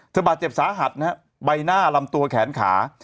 บาดเจ็บสาหัสนะฮะใบหน้าลำตัวแขนขา